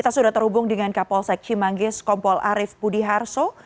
sudah terhubung dengan kapol seksi manggis kompol arief budiharso